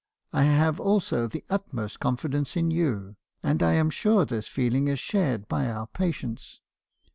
I have also the utmost confidence in you, and I am sure this feeling is shared by our patients.